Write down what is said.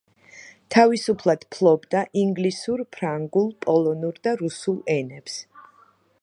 თავისუფლად ფლობდა ინგლისურ, ფრანგულ, პოლონურ და რუსულ ენებს.